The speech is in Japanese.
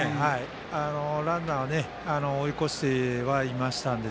ランナーを追い越してはいましたので。